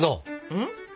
うん？